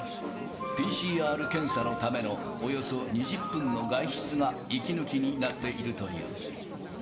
ＰＣＲ検査のためのおよそ２０分の外出が、息抜きになっているという。